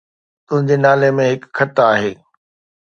تنهنجي نالي ۾ هڪ خط آهي